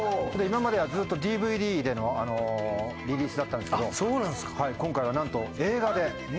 今まではずっとＤＶＤでのリリースだったんですけど今回は映画で。